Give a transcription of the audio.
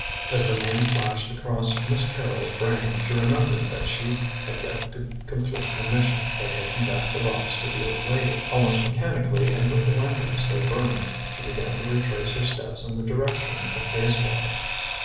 As the name flashed across Miss Carrol's brain, she remembered that she had yet to complete her mission by taking back the box to the old lady. Almost mechanically, and with the lantern still burning, she began to retrace her steps in the direction of Bayswater.